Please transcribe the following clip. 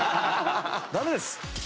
ダメです。